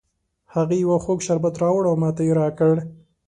هغې یو خوږ شربت راوړ او ماته یې را کړ